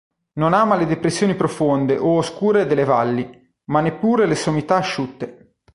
Non ama le depressioni profonde o oscure delle valli, ma neppure le sommità asciutte.